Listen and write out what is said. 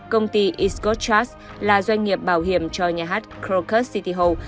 công ty escort trust là doanh nghiệp bảo hiểm cho nhà hát krokus city hall